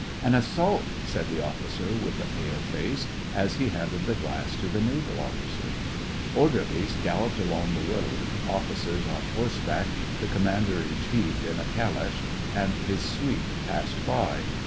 " An assault," said the officer, with a pale face, as he handed the glass to the naval officer. Orderlies galloped along the road, officers on horseback, the commander in chief in a calash, and his suite passed by.